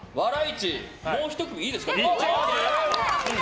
市、もう１組いいですか？